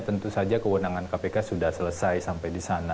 tentu saja kewenangan kpk sudah selesai sampai di sana